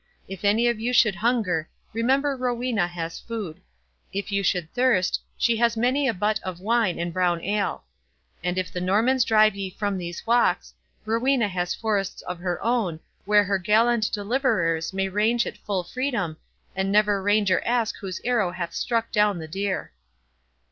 —If any of you should hunger, remember Rowena has food—if you should thirst, she has many a butt of wine and brown ale—and if the Normans drive ye from these walks, Rowena has forests of her own, where her gallant deliverers may range at full freedom, and never ranger ask whose arrow hath struck down the deer."